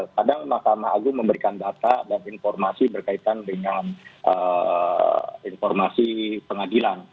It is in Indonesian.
kadang mahkamah agung memberikan data dan informasi berkaitan dengan informasi pengadilan